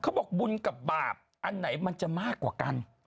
บอกบุญกับบาปอันไหนมันจะมากกว่ากัน